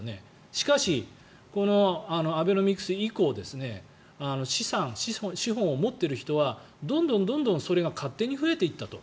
しかし、アベノミクス以降資産、資本を持っている人はどんどん、どんどんそれが勝手に増えていったと。